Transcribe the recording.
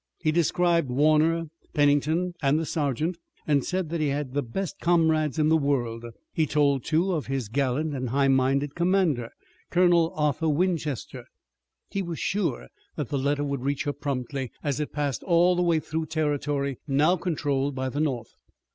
He described Warner, Pennington, and the sergeant, and said that he had the best comrades in the world. He told, too, of his gallant and high minded commander, Colonel Arthur Winchester. He was sure that the letter would reach her promptly, as it passed all the way through territory now controlled by the North.